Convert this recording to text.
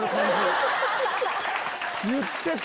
言ってた！